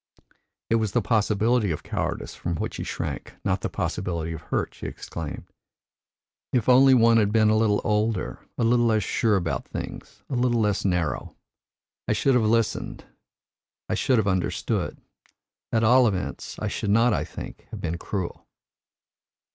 "It was the possibility of cowardice from which he shrank, not the possibility of hurt," she exclaimed. "If only one had been a little older, a little less sure about things, a little less narrow! I should have listened. I should have understood. At all events, I should not, I think, have been cruel."